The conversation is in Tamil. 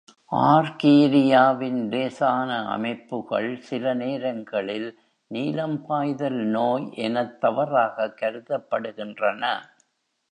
ஆர்கீரியாவின் லேசான அமைப்புகள் சில நேரங்களில் நீலம் பாய்தல் நோய் எனத் தவறாகக் கருதப்படுகின்றன.